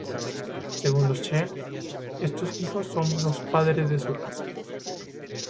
Según los she, estos hijos son los padres de su raza.